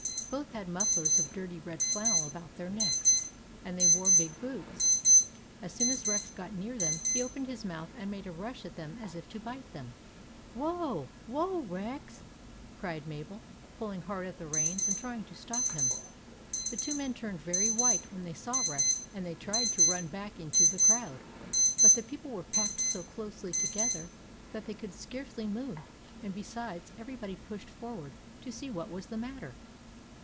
Both had mufflers of dirty red flannel about their necks, and they wore big boots. As soon as Rex got near them, he opened his mouth and made a rush at them as if to bite them. " Whoa ! Whoa, Rex !" cried Mabel, pull ing hard at the reins and trying to stop him. The two men turned very white when they saw Rex, and they tried to run back into the crowd ; but the people were packed so closely together that they could scarcely move; and, besides, everybody pushed for ward to see what was the matter.